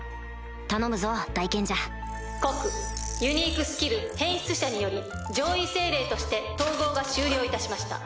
頼むぞ大賢者告ユニークスキル変質者により上位精霊として統合が終了いたしました。